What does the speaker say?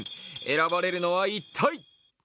選ばれるのは、一体？